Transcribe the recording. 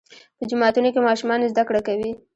په جوماتونو کې ماشومان زده کړه کوي.